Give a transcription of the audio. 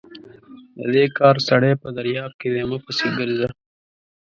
د دې کار سر په درياب کې دی؛ مه پسې ګرځه!